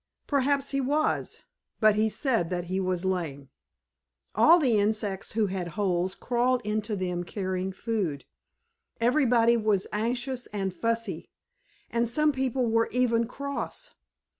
Perhaps he was, but he said that he was lame. All the insects who had holes crawled into them carrying food. Everybody was anxious and fussy, and some people were even cross.